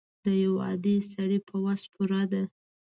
د یو عادي سړي په وس پوره ده.